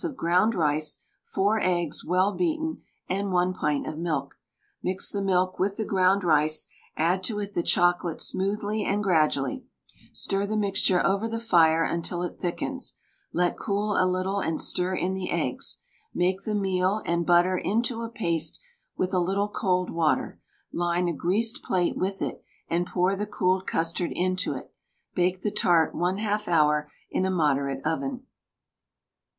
of ground rice, 4 eggs, well beaten, and 1 pint of milk. Mix the milk with the ground rice, add to it the chocolate smoothly and gradually; stir the mixture over the fire until it thickens, let cool a little and stir in the eggs; make the meal and butter into a paste with a little cold water; line a greased plate with it, and pour the cooled custard into it; bake the tart 1/2 hour in a moderate oven.